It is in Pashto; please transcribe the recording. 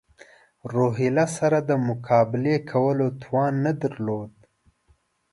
روهیله سره د مقابلې کولو توان نه درلود.